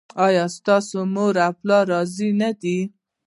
ایا ستاسو مور او پلار راضي نه دي؟